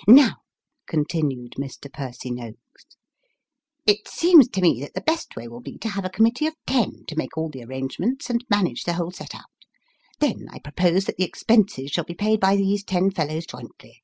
" Now," continued Mr. Percy Noakes, " it seems to me that the best way will be, to have a committee of ten, to make all the arrangements, and manage the whole set out. Then, I propose that the expenses shall be paid by these ten fellows jointly."